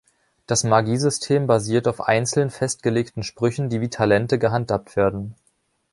Das Magiesystem basiert auf einzeln festgelegten Sprüchen, die wie Talente gehandhabt werden.